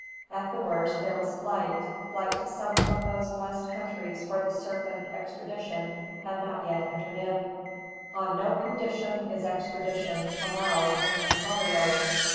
At the worst, there was flight, flight to some of those blest countries where the serpent, extradition, has not yet entered in. On no condition is extradition Allowed in Callao!